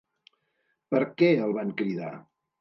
¿Per què el van cridar?